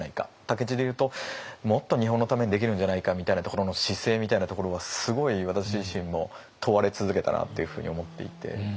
武市でいうともっと日本のためにできるんじゃないかみたいなところの姿勢みたいなところはすごい私自身も問われ続けたなっていうふうに思っていて。